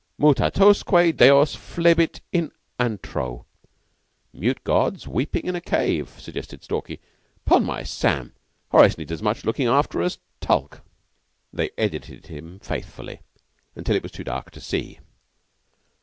Mutatosque Deos flebit in antro." "Mute gods weepin' in a cave," suggested Stalky. "'Pon my Sam, Horace needs as much lookin' after as Tulke." They edited him faithfully till it was too dark to see.